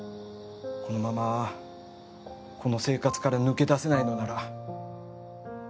このままこの生活から抜け出せないのなら